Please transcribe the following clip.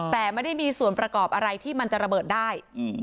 แต่ไม่ได้มีส่วนประกอบอะไรที่มันจะระเบิดได้